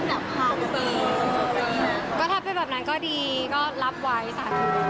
เออก็ทำเพื่อแบบนั้นก็ดีก็รับไว้สาธารณี